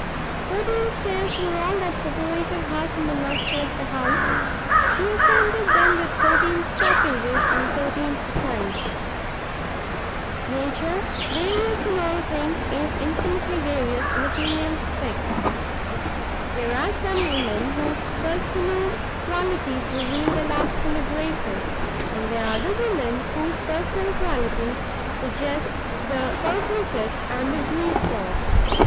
Fourteen stairs were all that separated her from the master of the house; she ascended them with fourteen stoppages and fourteen sighs. Nature, various in all things, is infinitely various in the female sex. There are some women whose personal qualities reveal the Loves and the Graces; and there are other women whose personal qualities suggest the Perquisites and the Grease Pot.